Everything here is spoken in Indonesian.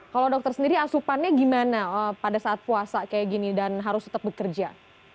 kalau dokter sendiri asupannya gimana pada saat puasa kayak gini dan harus tetap bekerja